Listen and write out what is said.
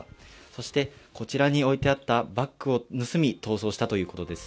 そしてこちらに置いてあったバッグを盗み逃走したということです。